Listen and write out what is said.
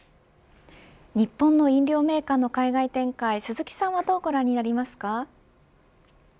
日本の飲料メーカーの海外展開鈴木さんはどうご覧になりますか。